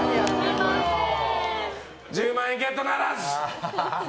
１０万円ゲットならず。